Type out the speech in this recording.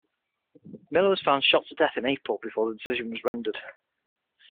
Miller was found shot to death in April, before the decision was rendered.